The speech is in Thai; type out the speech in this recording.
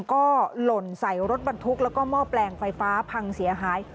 ก็หล่นใส่รถบรรทุกแล้วก็หม้อแปลงไฟฟ้าพังเสียหาย